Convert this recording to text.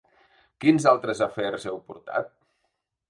Quins altres afers heu portat?